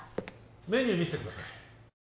メニュー見してください